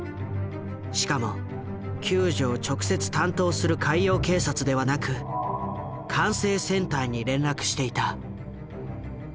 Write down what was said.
しかも救助を直接担当する海洋警察ではなく管制センターに連絡していた。